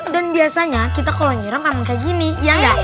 dan biasanya kita kalau nyiram emang kayak gini ya enggak